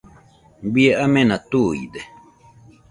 Bie amena tuide